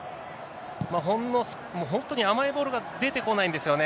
ほんの、本当に甘いボールが出てこないんですよね。